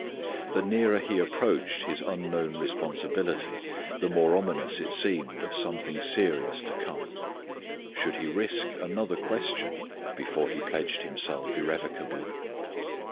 The nearer he approached his unknown responsibility, the more ominous it seemed of something serious to come. Should he risk another question before he pledged himself irrevocably?